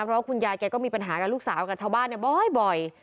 เพราะว่าคุณยายแกก็มีปัญหากับลูกสาวกับชาวบ้านบ่อย